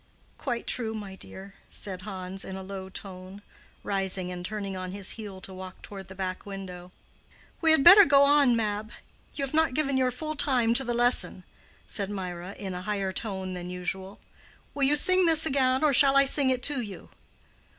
"Quite true, my dear," said Hans, in a low tone, rising and turning on his heel to walk toward the back window. "We had better go on, Mab; you have not given your full time to the lesson," said Mirah, in a higher tone than usual. "Will you sing this again, or shall I sing it to you?"